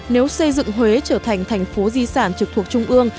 nếu xây dựng huế trở thành thành phố di sản trực thuộc trung ương